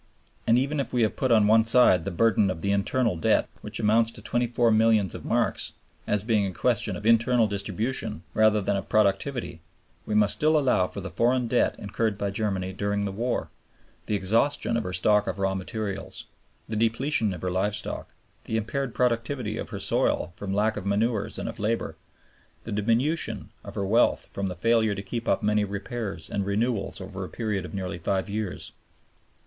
And even if we put on one side the burden of the internal debt, which amounts to 24 milliards of marks, as being a question of internal distribution rather than of productivity, we must still allow for the foreign debt incurred by Germany during the war, the exhaustion of her stock of raw materials, the depletion of her live stock, the impaired productivity of her soil from lack of manures and of labor, and the diminution in her wealth from the failure to keep up many repairs and renewals over a period of nearly five years.